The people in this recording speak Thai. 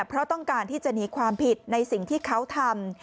เพราะต้องการที่จะหนีความผิดในสิ่งที่เขาทำ